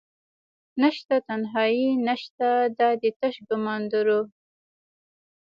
نشته تنهایې نشته دادي تش ګمان دروح